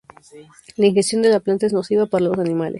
La ingestión de la planta es nociva para los animales.